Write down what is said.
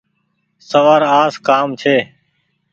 سوآر آس ڪآم ڇي۔